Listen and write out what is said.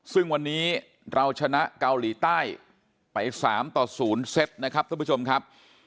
ซึ่งวันนี้เราชนะเกาหลีใต้ไป๓ต่อ๐เซตนะครับท่านผู้ชมครับ